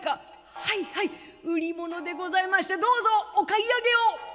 「はいはい売り物でございましてどうぞお買い上げを」。